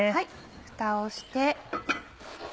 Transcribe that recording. ふたをして。